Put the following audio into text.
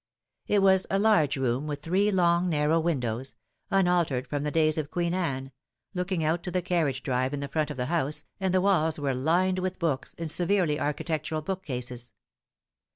It was a large room with three long narrow windows un altered from the days of Queen Anne looking out to the carriage drive in the front of the house, and the walls were lined with books, in severely architectural bookcases.